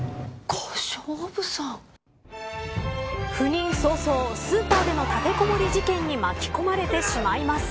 赴任早々、スーパーでの立てこもり事件に巻き込まれてしまいます。